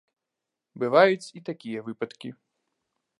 Бываюць і такія выпадкі.